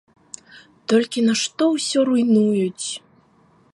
Толькі нашто ўсё руйнуюць.